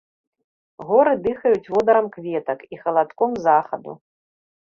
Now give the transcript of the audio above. Горы дыхаюць водарам кветак і халадком захаду.